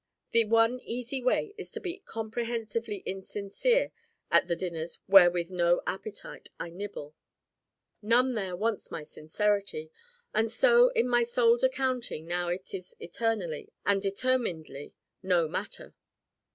The one easy way is to be comprehensively insincere at the dinners where with no appetite I nibble. None there wants my sincerity, and so in my Soul's accounting now it is eternally and determinedly No Matter.